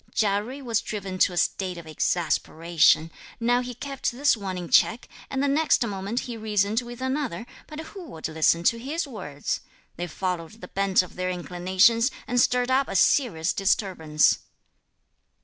Chia Jui was driven to a state of exasperation; now he kept this one in check, and the next moment he reasoned with another, but who would listen to his words? They followed the bent of their inclinations and stirred up a serious disturbance.